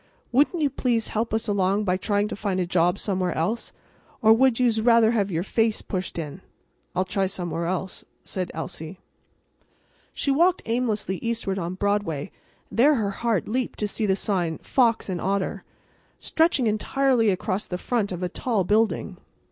Wouldn't you please help us along by trying to find a job somewhere else, or would you'se rather have your face pushed in?" "I'll try somewhere else," said Elsie. She walked aimlessly eastward on Broadway, and there her heart leaped to see the sign, "Fox & Otter," stretching entirely across the front of a tall building.